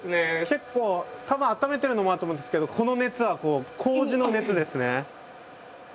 結構たぶんあっためてるのもあると思うんですけどこの熱はこうじの熱ですね。